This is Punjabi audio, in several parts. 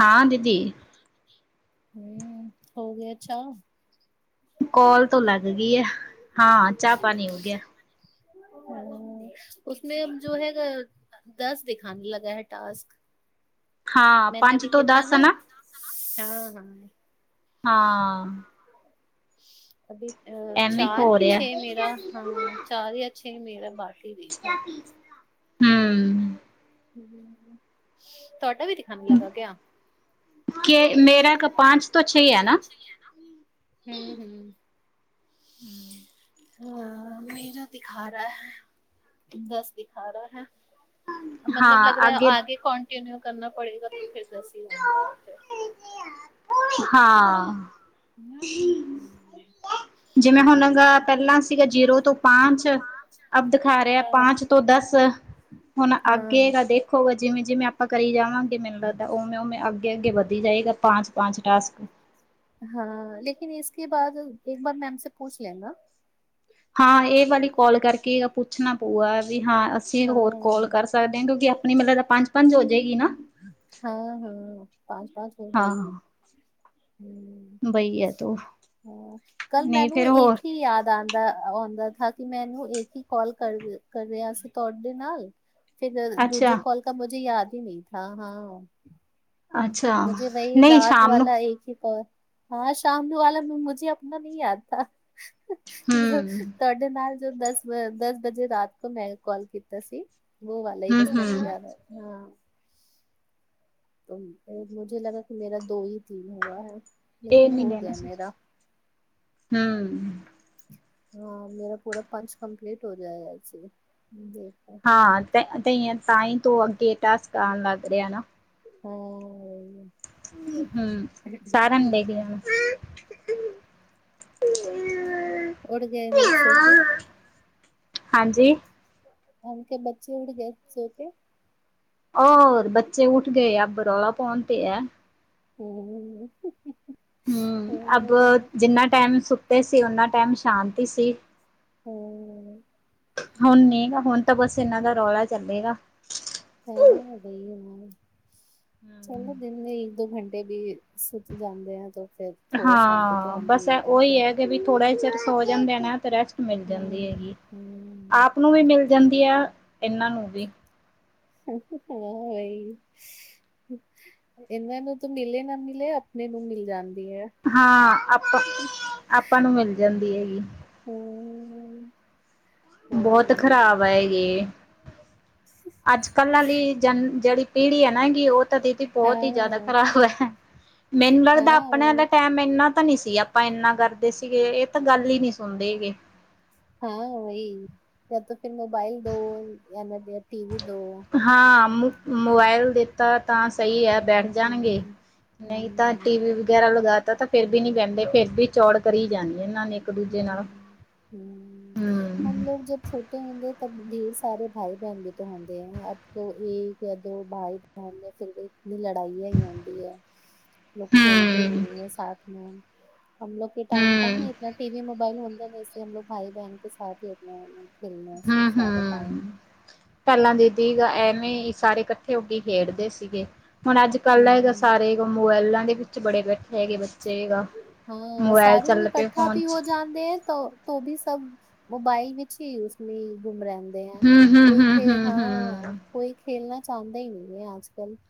ਹਾਂ ਦੀਦੀ। ਹੂੰ ਹੋ ਗਿਆ ਅੱਛਾ ਕਾਲ ਤੋਂ ਲੱਗ ਗਈ ਹੈ, ਹਾਂ ਚਾਹ ਪਾਨੀ ਹੋਗਿਆ। ਹੈਲੋ, ਉਸਮੇ ਜੋ ਹੈਗਾ। ਦਸ ਦਿਖਾਨੇ ਲਗਾ ਹੈ ਟਾਸਕ ਹਾਂ ਮੈਂਨੇ ਪੰਜ ਅਭੀ ਤੋਂ ਕੀਤਾ ਦਸ ਹੈ ਨਾ। ਟਾਸਕ ਦਾ ਨਾ ਹਾਂ-ਹਾਂ। ਹਾਂ। ਅ ਐਵੇਂ ਹੋ ਚਾਰ ਕਿ ਰਿਹਾ ਛੇ ਮੇਰਾ ਹਾਂ, ਚਾਰ ਜਾਂ ਛੇ ਮੇਰਾ ਬਾਕੀ ਵੀ ਹੈ ਹੂੰ ਤੁਹਾਡਾ ਵੀ ਦਿਖਾਣ ਲੱਗਾ ਗਿਆ? ਕਿ ਮੇਰਾ ਕ ਪਾਚ ਤੋਂ ਛੇ ਹੈ ਨਾ। ਹੂੰ-ਹੂੰ [inaudible] ਹਾਂ ਮੇ ਜੋ ਦਿਖਾ ਰਿਹਾ ਹੈ, ਬਸ ਦਿਖਾ ਰਿਹਾ ਹੈ। ਮਤਲਬ ਲੱਗ ਹਾਂ ਰਿਹਾ ਅੱਗੇ ਆਗੇ ਕੋਂਟੀਿਨਿਊ ਕਰਨਾ ਪੜੇਗਾ ਤਾਂ ਫਿਰ ਦਸ ਹੀ ਹੁੰਦਾ ਥੇ। ਹਾਂ ਜਿਵੇਂ ਹੁਣ ਪਹਿਲਾਂ ਸੀਗਾ ਜੀਰੋ ਤੋਂ ਪਾਂਚ ਅਬ ਦਿਖਾ ਰਿਹਾ ਪਾਜ ਤੋਂ ਦਸ, ਹੁਣ ਅਗੇਗਾ ਦੇਖ ਦੇਖੋ, ਜਿਵੇਂ-ਜਿਵੇਂ ਆਪਾਂ ਕਰੀ ਜਾਵਾਂਗੇ, ਮੈਨੂੰ ਲੱਗਦਾ ਉਵੇਂਵੇਂ ਅੱਗੇ-ਅੱਗੇ ਵਧੀ ਜਾਏਗਾ ਪਾਚ ਪਾਚ ਟਾਸਕ ਹਾਂ, ਲੇਕਿਨ ਇਸ ਕੇ ਬਾਅਦ ਇੱਕ ਬਾਰ ਮੈਮ ਪੁੂਛ ਲੇਨਾ। ਹਾਂ-ਹਾਂ ਇਹ ਵਾਲੀ ਕੋਲ ਕਰਕੇ ਪੁੱਛਣਾ ਪਊਗਾ, ਵੀ ਹਾਂ ਅਸੀਂ ਹੋਰ ਕਾਲ ਕਰ ਸਕਦੇ ਹਾਂ ਕਿਉਂਕਿ ਆਪਣੀ ਮਤਲਬ, ਤਾਂ ਪੰਜ-ਪੰਜ ਹੋ ਜਾਏਗੀ ਨਾ। ਹਾਂ-ਹਾਂ, ਪਾਂਚ-ਪਾਂਚ ਹੋ ਗਈ। ਹਾਂ ਹੂੰ, ਬਈਆ ਤੋ ਹਾਂ, ਕੱਲ ਨਹੀਂ ਮੈਨੂੰ ਫੇਰ ਇੱਕ ਹੋਰ ਹੀ ਯਾਦ ਦਾ ਆਉਂਦਾ ਕਿ, ਮੈਂ ਇਹਨੂੰ ਇੱਕ ਹੀ ਕਾਲ ਕਰ ਕਰ ਰਿਹਾ ਸੀ ਤੁਹਾਡੇ ਨਾਲ ਫਿਰ ਅੱਛਾ ਦੂਜੇ ਕਾਲ ਕਾ, ਮੁਝੇ ਯਾਦ ਹੀ ਨਹੀਂ ਥਾ ਹਾਂ। ਅੱਛਾ ਮੁਝੇ ਵਹੀ ਨਹੀਂ ਰਾਤ ਸ਼ਾਮ ਨੂੰ ਵਾਲਾ ਇੱਕ ਹੀ ਕਾਲ ਹਾਂ, ਸ਼ਾਮ ਵਾਲਾ ਮੁਝੇ ਆਪਣਾ ਨਹੀਂ ਯਾਦ ਥਾ ਹਮ ਤੁਹਾ ਦੇ ਨਾਲ ਜੋ ਦਸ-ਦਸ ਵਜੇ ਰਾਤ ਕੋ ਮੈਂ ਕਾਲ ਕੀਤਾ ਸੀ। ਬੋ ਵਾਲਾ ਹੀ ਹਮ ਬਸ ਮੈਨੁੰ ਵੀ ਹਮ ਯਾਦ ਹੈ ਹਾਂ। ਤੁਮ ਮੁਝੇ ਲਗਾ ਕਿ, ਮੇਰਾ ਦੋ ਹੀ ਤੀਨ ਹੁਆ ਹੈ। ਤੇਇਸ ਮਹੀਨੇ ਹੈ ਇਸ ਐਚ ਹੂੰ। ਹਾਂ ਮੇਰਾ ਪੂਰਾ ਪੰਚ, ਕੰਮਪਲੀਟ ਹੋ ਜਾਏੇ ਦੇਖੋ। ਹਾਂ, ਤੇ ਤਾਂਹੀ ਤੂੰ ਅੱਗੇ, ਟਾਸਕ ਆਣ ਲੱਗ ਰਿਹਾ ਨਾ। ਹੂੰ। ਹੂੰ, ਸਾਰਾ ਨੂੰ ਦੇੈ ਕੇ ਜਾਣਾ। ਹੂੰ। ਹਾਂਜੀ। ਉਨਕੇ ਕੇ ਬੱਚੇ ਉੱਠ ਗਏ ਸੋ ਕੇ? ਰੋਰ ਬੱਚੇ ਉੱਠ ਗਏ, ਅਬ ਰੌਲਾ ਪੋਨ ਤੇ ਈ ਐ। ਹੂੰ-ਹੂੰ। ਹੂੰ, ਅਬ ਜਿੰਨਾ ਟਾਈਮ ਸੁਤੇ ਸੀ, ਓਨਾ ਟਾਈਮ ਸ਼ਾਂਤੀ ਸੀ। ਹੂੰ। ਹੁਣ ਨੀ ਹੁਣ ਤਾਂ ਬਸ ਇਹਨਾਂ ਦਾ ਰੌਲਾ ਚੱਲੇਗਾ। ਸਹੀ ਐ ਗਈ ਹੋਣੀ ਏ ਚੱਲੋ। ਦਿਨੇ ਇੱਕ-ਦੋ ਘੰਟੇ ਵੀ ਸੁੱਤ ਜਾਂਦੇ ਆ ਤਾਂ ਫੇਰ ਹਾਂ, ਬਸ ਉਹੀ ਹੈ, ਕਿ ਵੀ ਥੋੜਾ ਚਿਰ ਸੋ ਜਾਂਦੇ ਨੇ ਨਾ ਰੈਸਟ ਮਿਲ ਜਾਂਦੀ ਹੈਗੀ, ਹਮ, ਆਪ ਨੂੰ ਵੀ ਮਿਲ ਜਾਂਦੀ ਹੈ, ਇਹਨਾਂ ਨੂੰ ਵੀ ਥੈਂਕਯੂ ਫੋਨ ਲਈ। ਇਹਨਾਂ ਨੂੰ ਤਾਂ ਮਿਲੇ ਨਾ ਮਿਲੇ ਆਪਣੇ ਨੂੰ ਮਿਲ ਜਾਂਦੀ ਹੈ। ਹਾਂ, ਆਪਾਂ- ਆਪਾਂ ਨੂੰ ਮਿਲ ਜਾਂਦੀ ਹੈਗੀ। ਹੂ ਹੂ ਹੂ ਬਹੁਤ ਖ਼ਰਾਬ ਹੈ ਯੇ, ਅੱਜ ਕੱਲ੍ਹ ਵਾਲੀ ਜਨ, ਜਿਹੜੀ ਪੀੜੀ ਹੈ ਨਾ ਕਿ ਉਹ ਤਾਂ ਦੀਤੀ ਬਹੁਤ ਹੀ ਜ਼ਿਆਦਾ ਖ਼ਰਾਬ ਹੈ, ਮੈਨੂੰ ਲੱਗਦਾ ਆਪਣੇ ਦਾ ਟਾਈਮ ਇੰਨਾ ਪਤਾਂ ਨੀ ਸੀ, ਆਪਾਂ ਇੰਨਾ ਕਰਦੇ ਸੀਗੇ, ਇਹ ਤਾਂ ਗੱਲ ਹੀ ਨਹੀਂ ਸੁਣਦੇ ਹੈਗੇ। ਹਾਂ, ਵਹੀ ਜਾਂ ਤਾਂ ਫਿਰ ਮੋਬਾਈਲ ਦੋ ਜਾਂ ਟਿ ਵੀ ਦੇਯੋ। ਹਾਂ, ਮੋਬਾਇਲ ਦੇਤਾ ਤਾਂ ਸਹੀ ਹੈ ਬੈਠ ਜਾਣਗੇ ਨਹੀਂ ਤਾਂ ਟੀ ਵੀ ਵਗੈਰਾ ਲਗਾ ਤਾ ਤਾਂ ਫਿਰ ਵੀ ਨੀ ਬਹਿੰਦੇ ਫਿਰਰ ਵੀ ਚੌੜ ਕਰੀ ਜਾਣੀ ਇਹਨਾਂ ਨੇ ਦੂਜੇ ਨਾਲ। ਹੂੰ-ਹੂੰ-ਹੂੰ, ਹਮ ਹੂੰ ਲੋਕ ਜਬ ਛੋਟੇ ਠੇ ਹੁੰਦੇ ਤਬ ਢੇਰ ਸਾਰੇ ਭਾਈ ਬਹਿਣ ਵੀ ਹੁੰਦੇ ਹੈ ਅਬ ਇੱਕ ਜਾਂ ਦੋ ਭਾਈ ਬਹਿਨ ਨੇ ਫਿਰ ਦੀ ਲੜਾਈ-ਵਿਆਈ ਹੋਨਦੀ ਹੈ, ਲੋਕ ਖੇਡਦੇ ਹੂੰ ਹੀ ਨੇ ਸਾਥ ਮੇ ਹਮ ਲੋਕ ਕੀ ਟਾਈਮ ਹੂੰ ਕਹਾ ਇਤ ਵੀ ਮੋਬਾਈਲ ਹੁੰਦਾ ਨ ਵੈਸੇ ਹਮ ਭਾਈ-ਬਹਿਨ ਕੇ ਸਾਥ ਹੀ ਖੇਲਨਾ ਹੂੰ ਸਾਰਾ ਟਾਈਮ। ਹੂੰ। ਪਹਿਲਾਂ ਦੀਦੀ ਐਵੇਂ ਹੀ ਸਾਰੇ ਇਕੱਠੇ ਹੋ ਕੇ ਖੇਡਦੇ ਸੀਗੇ ਹੁਣ ਅੱਜ-ਕੱਲ੍ਹ ਦਾ ਹੈਗਾ ਸਾਰੇ ਮੋਬਾਇਲਾਂ ਦੇ ਵਿੱਚ ਬੜੇ ਬੈਠੇ ਹੈਗੇ ਬੱਚੇ ਹੈਗਾ ਮੋਬਾਇਲ ਚੱਲ ਪਏ ਫੋਨ ਚ ਤੇ ਤੋਵੀ ਸਭ ਮੋਬਾਈਲ ਵਿੱਚ ਹੀ ਉਸਮੇ ਗੁੰਮ ਰਹਿੰਦੇ। ਹੂੰ ਹੂੰ ਕੋਈ ਹੂੰ ਖੇਲ ਹੂੰ ਹਾਂ, ਹੂੰ। ਕੋਈ ਖੇਲਣਾ ਚਾਹੁੰਦਾ ਹੀ ਨਹੀਂ ਹੈ, ਅੱਜ ਕੱਲ ਤੇ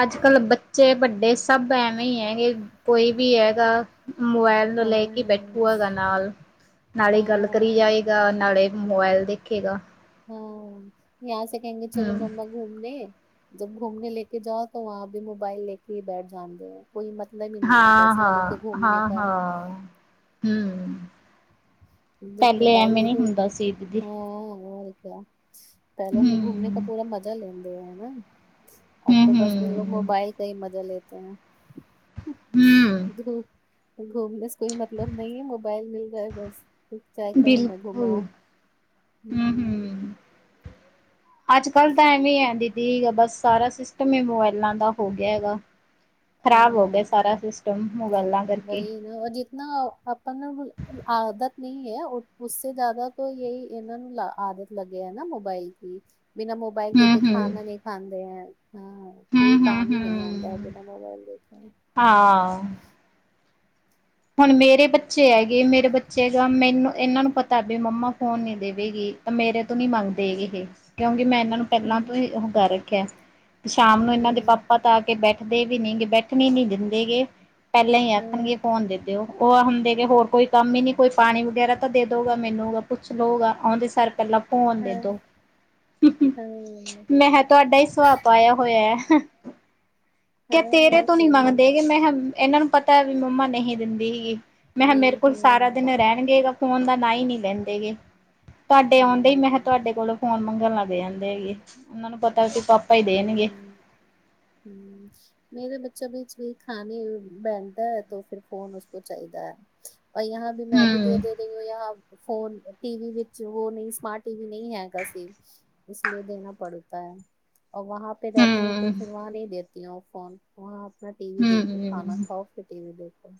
ਅੱਜ ਕੱਲ੍ਹ ਬੱਚੇ ਵੱਡੇ ਸਭ ਐਵੇਂ ਹੀ ਹੈ, ਕਿ ਕੋਈ ਵੀ ਹੈਗਾ ਮੋਬਾਇਲ ਅਨੂ ਲੈ ਕੇ ਬੈਠੂਗਾ ਗ ਨਾਲ, ਨਾਲੇ ਗੱਲ ਕਰੀ ਜਾਏ ਦਾ, ਨਾਲੇ ਮੋਬਾਇਲ ਦੇਖੇਗਾ। ਹਾਂ, ਯਹਾਂ ਸੇ ਕਹੇਂਗੇ ਚਲੋ ਹੂੰ। ਮਮਾ। ਘੁੰਮਣੇੇ, ਜਬ ਘੁੰਮੇਨੇ ਲੇ ਕੇ ਜਾਓ, ਤੋ ਵਹਾਂ ਭੀ ਮੋਬਾਈਲ ਲੇ ਕੇ ਹੀ ਬੈਠ ਜਾਣਦੇ ਹੈ। ਕੋਈ ਮਤਲਬ ਹੀ ਨਹੀਂ ਹੈਗਾ ਹਾਂ ਸੀ, ਇਨ ਲੋਗੋ ਹਾਂ ਕੇ ਘੁੰਮਨੇ ਕਾ। ਹੂ ਬਮ ਬਾਈਲ ਦੇ ਦੋ, ਹਾਂ ਹੋਰ ਕਯਾ। ਪਹਿਲਾਂ ਹਮੇ ਘੁੰਮਣੇ ਕਾ ਹੂੰ। ਪੂਰਾ ਮਜ਼ਾ ਲੇਨੇ ਦੇ, ਹੈਨਾ ਅਬ ਤੋ ਬਸ ਯੇ ਲੋਗ ਹੂੰ-ਹੂੰ, ਮੋਬਾਈਲ ਕਾ ਹੀ ਮਜ਼ਾ ਲੇਤੇ ਹੈਂ। ਹੂੰ, ਘੁੰਮਨ ਵਾਸਤੇ ਕੋਈ ਮਤਲਬ ਨਹੀਂ ਐ, ਮੋਬਾਈਲ ਮਿਲ ਜਾਏ ਬਸ। ਬਿਲਕੁਲ ਹੂ ਹੂ ਅੱਜ ਕੱਲ ਟਾਈਮ ਨੀ ਹੈ, ਦੀਦੀ ਬਸ ਸਾਰਾ ਸਿਸਟਮ ਸਿਸਟਮ ਈ ਮੋਬਾਇਲਾਂ ਦਾ ਹੋ ਗਿਆ ਹੈਗਾ, ਖ਼ਰਾਬ ਹੋ ਗਿਆ ਸਾਰਾ ਸਿਸਟਮ, ਮੋਬਾਇਲਾਂ ਦਾ ਵਹੀ ਨਾ, ਜਿਤਨਾ ਆਪਾਂ ਨਾ ਹੁਣ ਆਦਤ ਨਹੀਂ ਹੈ, ਉਸ ਸੇ ਜ਼ਿਆਦਾ ਇਹੀ ਇਹਨਾਂ ਨੂੰ ਆਦਤ ਲੱਗ ਆ ਨਾ, ਮੋਬਾਈਲ ਦੀ, ਬਿਨਾਂ ਮੋਬਾਈਲ ਮੋਬਾਈਲ ਦੇਖ ਕੇ ਹੂੰ-ਹੂੰ, ਖਾਣਾ ਨਹੀਂ ਖਾਂਦੇ ਹੈ, ਹਾਂ। ਕੋਈ ਹੂੰ-ਹੂੰ, ਕੰਮ ਹੀ ਨਹੀਂ ਹੁੰਦਾ ਐ, ਬਿਨਾਂ ਮੋਬਾਇਲ ਦੇਖਣ ਆ ਆ ਹੁਣ ਮੇਰੇ ਬੱਚੇ ਹੈਗੇ, ਮੇਰੇ ਬੱਚੇ ਹੈਗਾ, ਮੈਨੂੰ, ਇਹਨਾਂ ਨੂੰ ਪਤਾ ਵੀ ਮੰਮਾ ਫੋਨ ਨੀ ਦੇਵੇਗੀ। ਮੇਰੇ ਤੋਂ ਨੀ ਮੰਗਦੇ ਇਹ, ਕਿਉਂਕਿ ਮੈਂ ਇਹਨਾਂ ਨੂੰ ਪਹਿਲਾਂ ਤੋਂ ਹੀ ਉਹ ਡਰ ਰੱਖਿਆ, ਤੇ ਸ਼ਾਮ ਨੂੰ ਇਹਨਾਂ ਦੇ ਪਾਪਾ ਆ ਕੇ ਬੈਠਦੇ ਵੀ ਨਹੀਂ ਗ ਬੈਠਣੇ ਹੀ ਨਹੀਂ ਦਿੰਦੇ ਹੈਗੇ, ਪਹਿਲਾਂ ਹੀ ਆਖਣਗੇ। ਫੋਨ ਦੇ ਦਿਓ, ਉਹ ਹੁਣ ਦੇ ਹੋਰ ਕੋਈ ਕੰਮ ਹੀ ਨੀ, ਕੋਈ ਪਾਣੀ ਵਗੈਰਾ ਤਾਂ ਦੇ ਦੋਗਾ ਮੈਨੂੰ ਕੁੱਛ ਲੋਕ ਆਉਂਦੇ ਸਾਰ ਪਹਿਲਾਂ ਫੋਨ ਦੇ ਦੋ, ਮੈਂ ਕਿਹਾ ਤੁਹਾਡਾ ਹੀ ਸੁਭਾਅ ਪਾਇਆ ਹੋਇਆ। ਕੇ ਤੇਰੇ ਤੋਂ ਨੀ ਮੰਗਦੇ ਹੈਗੇ, ਮੈਂ ਕਿਹਾ ਇਹਨਾਂ ਨੂੰ ਪਤਾ ਵੀ ਮੰਮਾ ਨਹੀਂ ਦਿੰਦੀ ਹੈਗੀ। ਮੈਂ ਕਿਹਾ, ਮੇਰੇ ਕੋਲ ਸਾਰਾ ਦਿਨ ਰਹਿ ਸਾਡੇ ਅਗੇ ਫੋਨ ਦਾ ਨਾਂ ਹੀ ਨਹੀਂ ਲੈਂਦੇ ਹੈਗੇ, ਤੁਹਾਡੇ ਆਉਂਦੇ ਹੀ, ਮੈਂ ਕਿਹਾ ਤੁਹਾਡੇ ਕੋਲੋਂ ਫੋਨ ਮੰਗਣ ਲੱਗ ਦੇ ਆਂਦੇ ਹੈਗੇ, ਉਹਨਾਂ ਨੂੰ ਪਤਾ ਕਿ ਪਾਪ ਹੂ ਹੂ, ਹੂ ਹੂ ਮੇਰੇ ਬੱਚਾ ਵਿੱਚ ਵੀ ਖਾਣੇ ਬੈਹਦਾ ਹੈ, ਫਿਰ ਫੋਨ ਉਸ ਕੋ ਚਾਹੀਦਾ ਹੈ। ਔਰ ਯਹਾਂ ਭੀ, ਮੈਂ ਭੀ ਹੂੰ ਦੇਖ ਔ ਦੇਖ ਲੋ ਜਾਂ ਫੋਨ, ਟੀਵੀ ਵਿੱਚ ਔ ਨਹੀਂ, ਸਮਾਰਟ ਟੀਵੀ ਨਹੀਂ ਹੈਗਾ ਸੀ। ਇਸ ਲਿਏ ਦੇਣਾ ਪੜਤਾ ਹੈ ਔਰ ਵਹਾਂ ਪੇ ਜਾਤੀ ਹੂੰ ਤੋ ਫਿਰ ਵਹਾਂ ਨਹੀਂ ਦੇਤੀ ਹੂੰ ਫੋਨ। ਵਹਾਂ ਆਪਣਾ ਟੀਵੀ ਦੇਖੋ ਖਾਣਾ ਹੂੰ ਖਾਓ ਫਿਰ ਟੀਵੀ ਦੇਖੋ।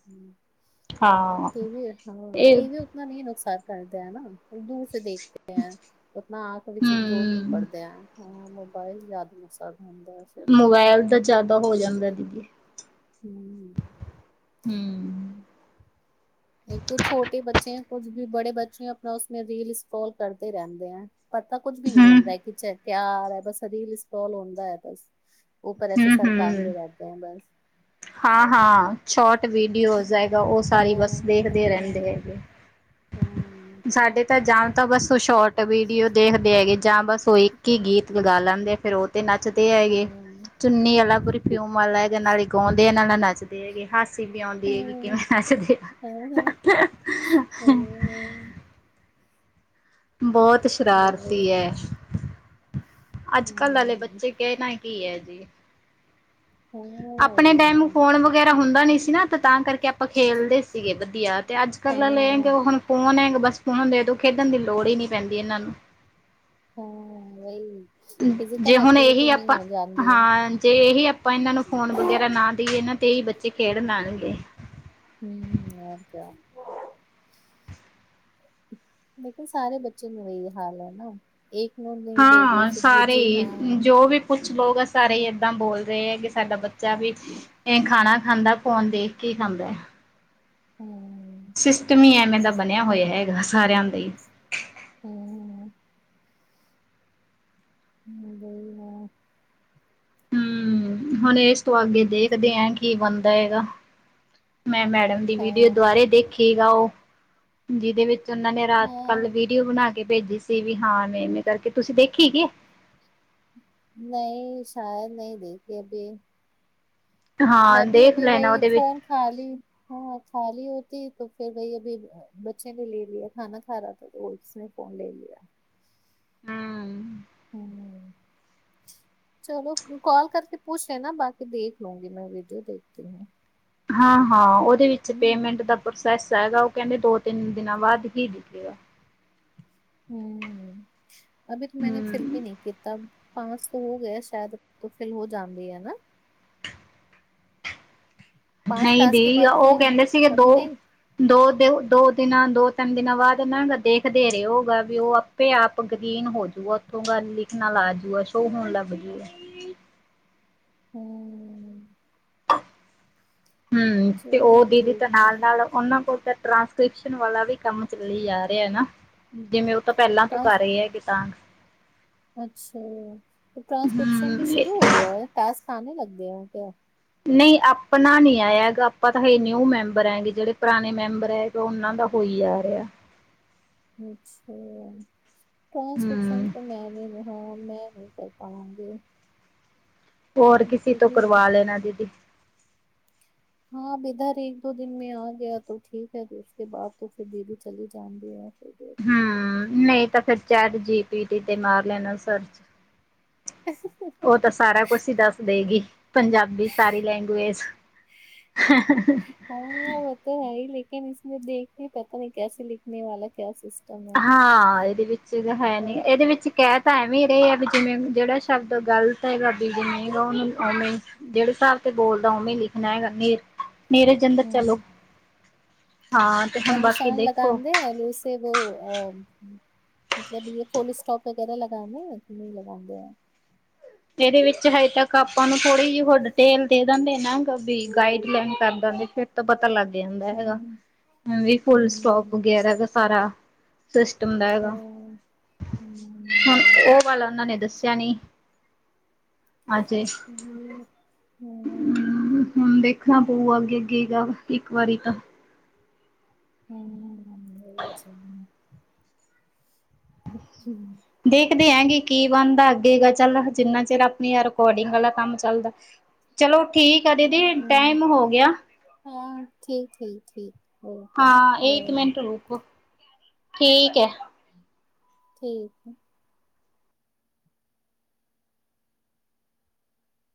ਹਾਂ ਟੀਵੀ ਹਾਂ ਇਹ ਟੀਵੀ ਉਤਨਾ ਨਹੀਂ ਨੁਕਸਾਨ ਕਰਦੇ ਹੈ ਨਾ। ਦੂਰ ਸ ਦੇਖਤੇ ਹੈ ਉਤਨਾ ਆਂਖ ਵਿੱਚ ਜ਼ੋਰ ਨੀ ਹੂੰ। ਪੜਦੇ ਹੈ। ਮੋਬਾਈਲ ਚ ਯਾਦ ਨੂੰ ਸਬ ਹੁੰਦਾ ਐ। ਮੋਬਾਇਲ ਦਾ ਜ਼ਿਆਦਾ ਹੋ ਜਾਂਦਾ ਦੀਦੀ। ਹੂ ਹੂ ਇੱਕ ਤੋਂ ਛੋਟੇ ਬੱਚੇ ਹੈਂ, ਕੁਝ ਵੀ ਬੜੇ ਬੱਚੇ ਆਪਣਾ ਉਸ ਮੇਂ ਰੀਲ ਸਕਰੋਲ ਕਰਦੇ ਰਹਿੰਦੇ ਹੈ। ਪਤਾ ਕੁੱਝ ਵੀ ਨਹੀਂ ਹੂੰ। ਹੁੰਦਾ, ਕਿ ਪਿਆਰ ਹੈ, ਬਸ ਰੀਲ ਸਕ੍ਰਾਲ ਹੁੰਦਾ ਹੈ, ਬਸ। ਉਪਰ ਐਸੇ ਹੂੰ ਸਰਕਾਂਦੇ ਹੂੰ। ਰਹਿਤੇ ਹੈ ਬਸ। ਹਾਂ ਹਾਂ ਸ਼ੋਟ ਵੀਡੀਓਜ਼ ਹੈਗਾ, ਉਹ ਸਾਰੀ ਬੱਸ ਵੇਖਦੇ ਰਹਿੰਦੇ ਹੈਗੇ। ਸਾਡੇ ਤੇ ਜਾਂ ਤਾਂ ਬਸ ਉਹ ਸ਼ੋਰਟ ਵੀਡੀਓ ਦੇਖਦੇ ਹੈਗੇ ਜਾਂ ਬਸ ਉਹ ਇੱਕ ਹੀ ਗੀਤ ਲਗਾ ਲੈਂਦੇ ਫੇਰ ਉਹ। ਤੇ ਨੱਚਦੇ ਹੈਗੇ ਚੁੰਨੀ ਵਾਲਾ ਪਰਫਿਊਮ ਵਾਲਾ ਹੈਗਾ ਨਾਲ ਆਂਦਯਾ ਨਾਲ ਨੱਚਦੇ ਹੈਗੇ ਹਾਸੀ ਵੀ ਆਉਂਦੀ ਹੈਗੀ ਕਿਵੇਂ ਨੱਚਦੇ ਆ। [unintelligible] ਬਹੁਤ ਸ਼ਰਾਰਤੀ ਹੈ ਅੱਜ ਕੱਲ੍ਹ ਵਾਲੇ ਬੱਚੇ ਕਹਿਨਾ ਕੀ ਹੈ ਜੀ। [unintelligible] ਆਪਣੇ ਟਾਈਮ ਫੋਨ ਵਗੈਰਾ ਹੁੰਦਾ ਨੀ ਸੀ ਨਾ ਤੇ ਤਾਂ ਕਰਕੇ ਆਪਾਂ ਖੇਲਦੇ ਸੀਗੇ ਵਧੀਆ। ਤੇ ਅੱਜ ਕੱਲ੍ਹ ਆਲੇ ਇਹ ਹੈ ਹੁਣ ਫੋਨ ਹੈ ਬਸ ਫੋਨ ਦੇਦੋ ਖੇਡਣ ਦੀ ਲੋੜ ਹੀ ਨਹੀਂ ਪੈਂਦੀ ਇਹਨਾਂ ਨੂੰ। [unintelligible] ਜੇ ਹੁਣ ਇਹੀ ਆਪਾਂ ਹਾਂ ਜੇ ਇਹੀ ਆ ਆਪਾਂ ਇਹਨਾਂ ਨੂੰ ਫੋਨ ਵਗੈਰਾ ਨਾ ਦੇਈਏ ਨਾ ਤੇ ਏਹੀ ਬੱਚੇ ਖੇਡ ਲੈਣਗੇ। [unintelligible] ਲੇਕਿਨ ਸਾਰੇ ਬੱਚੇ ਨੂੰ ਇਹੀ ਹਾਲ ਹੈ ਨਾ। ਇੱਕ ਨੂੰ ਨਹੀਂ ਦੋਗੇ ਹਾਂ ਫਿਰ ਸਾਰੇ ਦੂਜੇ ਨਾ ਜੋ ਵੀ ਕੁਛ ਲੋਕ ਆ ਸਾਰੇ ਹੀ ਇੱਦਾਂ ਬੋਲਦੇ ਹੈ ਕਿ ਸਾਡਾ ਬੱਚਾ ਵੀ ਇਹ ਖਾਣਾ ਖਾਂਦਾ ਫੋਨ ਦੇਖ ਕੇ। ਕੀ ਖਾਂਦਾ? [inaudible] ਸਿਸਟਮ ਹੀ ਐਵੇਂ ਦਾ ਬਣਿਆ ਹੋਯਾ ਹੈਗਾ ਸਾਰਿਆਂ ਦਾ ਈ। [inaudible] [inaudible] ਹੂੰ ਹੁਣ ਇਸ ਤੋਂ ਅੱਗੇ ਦੇਖਦੇ ਆ ਕੀ ਬਣਦਾ ਹੈਗਾ? ਮੈਂ ਮੈਡਮ ਦੀ ਵੀਡੀਓ ਦੁਬਾਰੇ ਦੇਖੇਗਾ ਉਹ। ਜਿਦੇ ਵਿੱਚ ਉਹਨਾਂ ਨੇ ਰਾਤ ਕੱਲ ਵੀਡੀਓ ਬਣਾ ਕੇ ਭੇਜੀ ਸੀਗੀ ਹਾਂ ਏਵੇਂ ਕਰਕੇ ਤੁਸੀਂ ਦੇਖੀ ਕੇ? ਨਹੀਂ ਸ਼ਾਇਦ ਨਹੀਂ ਦੇਖੀ ਅਭੀ। [unintelligible] ਹਾਂ ਦੇਖ ਬੱਚੇ ਲੈਣਾ ਉਹਦੇ ਵਿੱਚ ਨੇ ਲੇ ਲਿਆ ਖਾਣਾ ਖਾ ਰਹਾ ਥਾ ਉਸਨੇ ਫੌਨ ਲੇ ਲਿਆ। ਹਮ [inaudible] ਚਲੋ ਕਾਲ ਕਰਕੇ ਪੂਛ ਲੇਨਾ ਬਾਕੀ ਦੇਖ ਲੂੰਗੀ ਮੈਂ ਵੀਡੀਓ ਦੇਖਤੀ ਹੂੰ। ਹਾਂ ਹਾਂ ਉਹਦੇ ਵਿੱਚ ਪੇਮੈਂਟ ਦਾ। ਪ੍ਰੋਸੈਸ ਹੈਗਾ ਉਹ ਕਹਿੰਦੇ ਦੋ ਤਿੰਨ ਦਿਨਾਂ ਬਾਅਦ ਹੀ ਦਿਖੇਗਾ। ਹਮ ਅਭੀ ਤੋ ਮੈਨੇ ਫਿੱਲ ਹਮ ਵੀ ਨਹੀਂ ਕੀਤਾ। [unintelligible] ਨਹੀਂ ਨਹੀਂ ਉਹ ਕਹਿੰਦੇ ਸੀਗੇ ਦੋ, ਦੋ ਦਿੳ ਦੋ ਦਿਨਾਂ ਦੋ -ਤਿੰਨ ਦਿਨਾਂ ਬਾਅਦ ਇਹਨਾਂ ਦੇਖਦੇ ਰਹੇ ਹੋ ਵੀ ਉਹ ਇਹ ਆਪ ਗਰੀਨ ਹੋਜੂਗਾ ਉੱਥੋਂ ਗੱਲ ਲਿਖਣਾ ਆਜੂਗਾ ਸ਼ੋਅ ਹੋਣ ਲੱਗ ਜਾਉਗਾ। ਹਮ ਹਮ ਤੇ ਉਹ ਦੀਦੀ ਤਾਂ ਨਾਲ -ਨਾਲ। ਉਹਨਾਂ ਕੋਲ ਤਾਂ ਟ੍ਰਾਂਸਕ੍ਰਿਪਸ਼ਨ ਵਾਲਾ ਵੀ ਕੰਮ ਚੱਲੀ ਜਾ ਰਿਹਾ ਨਾ ਜਿਵੇਂ ਤਾਂ ਪਹਿਲਾਂ ਤੂੰ ਕਰ ਰਹੇ ਹੈ ਕਿ ਤਾਂਗ ਅੱਛਾ ਟ੍ਰਾਂਸਕ੍ਰਿਪਸ਼ਨ ਵੀ ਹਮ ਸ਼ੁਰੂ ਹੋ ਗਿਆ ਹੈ ਟਾਸ੍ਕ ਆਨੇ ਲੱਗ ਗਏ ਹੈ ਕਯਾ? ਨਹੀਂ ਆਪਣਾ ਨੀ ਆਯਾ ਹੈਗਾ ਆਪਾਂ ਤਾਂ ਹਜੇ ਨਿਊ ਮੈਂਬਰ ਹੈਗੇ ਜਿਹੜੇ ਪੁਰਾਣੇ ਮੈਂਬਰ ਹੈ ਉਨਾਂ ਦਾ ਹੋਈ ਆ ਰਿਹਾ। ਅੱਛਾ। ਟ੍ਰਾਂਸਕ੍ਰਿਪਸ਼ਨ ਹਮ ਤੋਂ ਮੈਂ ਲੇਲੁ। ਹਾਂ ਮੈਂ ਨਹੀਂ ਕਰ ਪਾਊਂਗੀ। ਹੋਰ ਕਿਸੇ ਤੋਂ ਕਰਵਾ ਲੈਣਾ ਦੀਦੀ। ਹਾਂ [unintelligible] ਇੱਕ ਦੋ ਦਿਨ ਮੈਂ ਆ ਗਿਆ ਤੋ ਠੀਕ ਹੈ ਉਸਕੇ ਬਾਅਦ ਫਿਰ ਦੀਦੀ ਚਲੀ ਜਾਊਂਗੀ ਯਾਰ। ਹਮ ਨਹੀਂ ਤਾਂ ਫੇਰ ਚੈਟ ਜੀ ਪੀ ਟੀ ਤੇ ਮਾਰ ਲੈਣਾ ਸਰਚ। [unintelligible] ਉਹ ਤਾਂ ਸਾਰਾ ਕੁਛ ਹੀ ਦੱਸ ਦੇਗੀ। ਪੰਜਾਬੀ ਸਾਰੀ ਲੈਂਗਵੇਜ। ਹਾਂ ਉਹ ਤਾਂ ਹੈ ਹੀ ਲੇਕਿਨ ਇਸਮੇਂ ਦੇਖ ਕੇ ਪਤਾ ਨਹੀਂ ਕੈਸੇ ਲਿਖਣੇ ਵਾਲਾ ਕਿਆ ਸੀ ਹਾਂ ਇਹਦੇ ਵਿੱਚ ਤਾਂ ਹੈ ਨੀ ਇਹਦੇ ਵਿੱਚ ਕਹਿ ਭੈਵੇਂ ਰਹੇ ਆ ਵੀ ਜਿਵੇਂ ਜਿਹੜਾ ਸ਼ਬਦ ਗਲਤ ਹੈਗਾ ਬੀ ਜਿਵੇਂ ਉਹ ਉਵੇਂ ਜਿਹੜੇ ਹਿਸਾਬ ਤੇ ਬੋਲਦਾ ਉਹਵੇਂ ਲਿਖਣਾ ਹੈਗਾ ਹਨੇਰ ਨੇਰੇ ਜਦਰ ਚਲੋ ਹਾਂ ਤੇ ਉਹ ਹੁਣ ਬਾਕੀ ਨਿਸ਼ਾਨ ਦੇਖੋ ਲਗਾਉਂਦੇ ਮਤਲਬ ਯ ਫੁਲ ਸਟੋਪ ਵਗੈਰਾ ਲਗਾਣੇ ਕਿ ਨਹੀਂ ਲਗਾਦੇ ਇਹਦੇ ਵਿੱਚ ਹਜੇ ਤੱਕ ਆਪਾਂ ਨੂੰ ਥੋੜ੍ਹੀ ਜਿਹੀ ਹੋ ਡਿਟੇਲ ਦੇ ਦਿੰਦੇ ਨਾ ਵੀ ਗਾਈਡ ਲਈਨ ਕਰ ਦਿੰਦੇ ਫਿਰ ਤਾਂ ਪਤਾ ਲੱਗ ਜਾਂਦਾ ਹੈਗਾ, ਵੀ ਫੁਲ ਸਟੋਪ ਵਗੈਰਾਗਾ ਸਾਰਾ ਸਿਸਟਮ ਦਾ ਹੈਗਾ, ਹੁਣ ਉਹ ਵਾਲਾ ਉਹਨਾਂ ਨੇ ਦੱਸਿਆ ਨੀ ਹਾਂਜੀ ਹ ਹਮ ਹੁਣ ਦੇਖਣਾ ਪਊ ਅੱਗੇ ਅੱਗੇਗਾ ਵਾ ਇੱਕ ਵਾਰੀ ਤਾਂ ਹਮ ਚ ਅੱਛਾ ਦੇਖਦੇ ਅੱਗੇ ਕੀ ਬਣਦਾ ਅੱਗੇ ਗ ਚੱਲ ਜਿੰਨਾ ਚਿਰ ਆਪਣੀ ਰਿਕੋਡਿੰਗ ਵਾਲਾ ਕੰਮ ਚੱਲਦਾ ਚਲੋ ਠੀਕ ਆ ਦੀਦੀ ਟਾਈਮ ਹੋ ਗਿਆ ਹਾਂ ਠੀਕ- ਠੀਕ -ਠੀਕ। ਹਾਂ ਇੱਕ ਮਿੰਟ ਰੁਕੋ ਠੀਕ ਹੈ ਠੀਕ